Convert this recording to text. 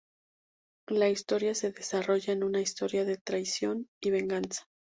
La historia se desarrolla en una historia de traición y venganza.